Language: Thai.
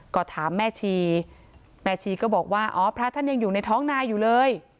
ก็ถามแม่ชีแม่ชีก็บอกว่าอ๋อพระท่านยังอยู่ในท้องนาอยู่เลย